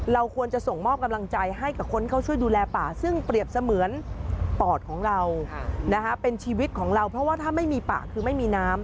เราควรจะส่งมอบกำลังใจให้กับคนเข้าช่วยดูแลป่าซึ่งเปรียบเสมือนปอดของเราเป็นชีวิตของเราเพราะว่าถ้าไม่มีป่าคือไม่มีน้ำ